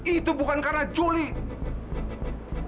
itu bukan karena julie